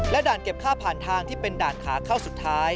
ด่านเก็บค่าผ่านทางที่เป็นด่านขาเข้าสุดท้าย